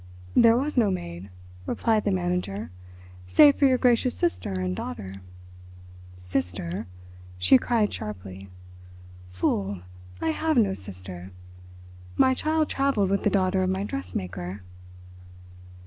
"There was no maid," replied the manager, "save for your gracious sister and daughter." "Sister!" she cried sharply. "Fool, I have no sister. My child travelled with the daughter of my dressmaker."